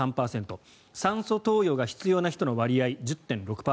酸素投与が必要な人の割合１０．６％。